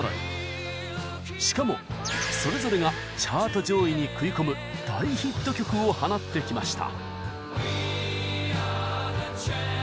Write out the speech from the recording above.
しかもそれぞれがチャート上位に食い込む大ヒット曲を放ってきました。